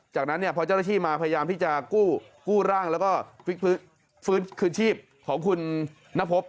จากนั้นพอเจ้าหน้าที่มาพยายามที่จะกู้ร่างแล้วก็ฟื้นคืนชีพของคุณนพบ